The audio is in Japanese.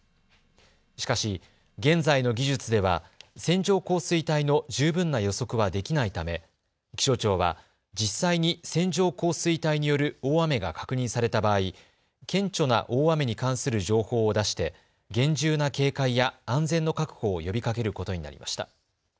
しかし現在の技術では線状降水帯の十分な予測はできないため気象庁は実際に線状降水帯による大雨が確認された場合、顕著な大雨に関する情報を出して厳重な警戒や安全の確保を呼びかけることになりました。